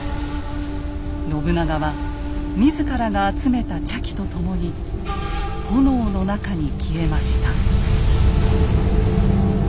信長は自らが集めた茶器と共に炎の中に消えました。